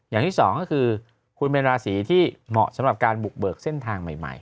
อย่างที่สองก็คือคุณเป็นราศีที่เหมาะสำหรับการบุกเบิกเส้นทางใหม่